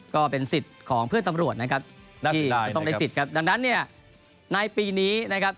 ก็เป็นสิทธิ์ของเพื่อนตำรวจนะครับที่จะต้องได้สิทธิ์ครับดังนั้นเนี่ยในปีนี้นะครับ